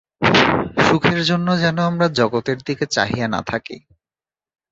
সুখের জন্য যেন আমরা জগতের দিকে চাহিয়া না থাকি।